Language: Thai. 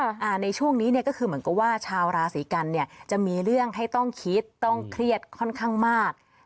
อ่าในช่วงนี้เนี่ยก็คือเหมือนกับว่าชาวราศีกันเนี่ยจะมีเรื่องให้ต้องคิดต้องเครียดค่อนข้างมาก